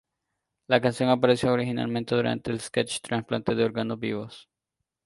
La canción apareció originalmente durante el sketch "Trasplantes de órganos vivos".